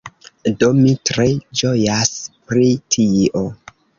Do, mi tre ĝojas pri tio